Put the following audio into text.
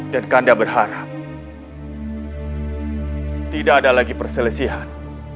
dan kanda berharap tidak ada lagi perselesihan